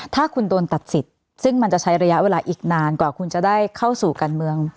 ถ้าคุณโดนตัดสิทธิ์ซึ่งมันจะใช้ระยะเวลาอีกนานกว่าคุณจะได้เข้าสู่การเมือง